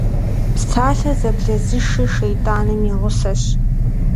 Псалъэр зэблэзышыр шэйтӏаным и гъусэщ.